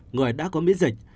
người đã có miễn dịch